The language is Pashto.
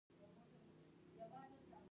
ناټو ته ووایاست چې څنګه ياست؟